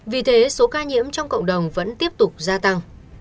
vì thế số ca nhiễm trong cộng đồng vẫn tiếp tục gia tăng